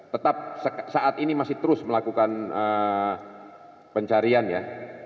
tetap saat ini masih terus melakukan pencarian ya